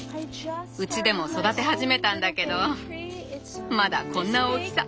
うちでも育て始めたんだけどまだこんな大きさ。